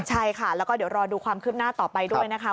ใช่ค่ะแล้วก็เดี๋ยวรอดูความคืบหน้าต่อไปด้วยนะคะ